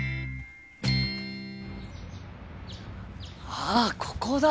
あっここだ！